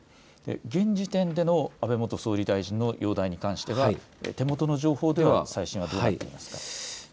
現時点での安倍元総理大臣の容体に関しては手元の情報では最新はどうなっていますか。